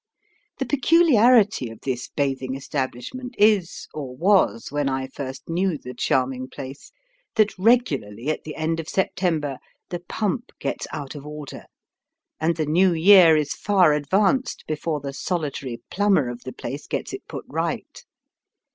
The peculiarity of this bathing establishment is or was when I first knew the charming place that regularly at the end of September the pump gets out of order, and the new year is far advanced before the solitary plumber of the place gets it put right.